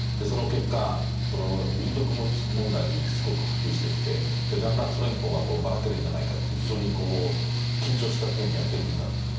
その結果民族問題にすごく波及してきてだんだんソ連邦がばらけるんじゃないかという非常に緊張した雰囲気が出てきた。